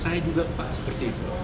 saya juga pak seperti itu